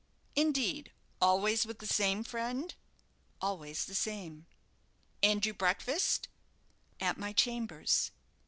"Indeed; always with the same friend?" "Always the same." "And you breakfast?" "At my chambers."